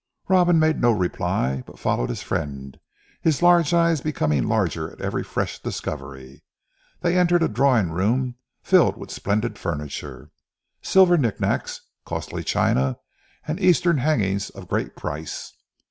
Robin made no reply, but followed his friend, his large eyes becoming larger at every fresh discovery. They entered a drawing room filled with splendid furniture, silver knick knacks, costly china, and Eastern hangings of great price.